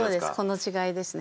この違いですね。